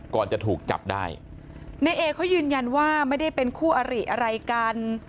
ก่อนจะถูกจับได้ในเอเขายืนยันว่าไม่ได้เป็นคู่อริอะไรกัน